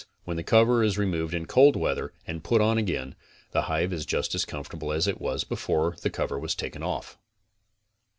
When the cover is removed in cold weather and put on again, the hive is just as comfortable as it was before the cover was taken off.